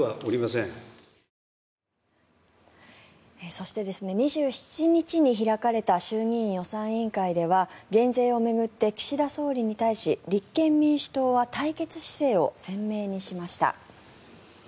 そして、２７日に開かれた衆議院予算委員会では減税を巡って岸田総理に対し立憲民主党は対決姿勢を鮮明にしました。